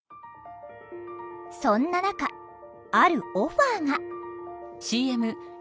そんな中あるオファーが。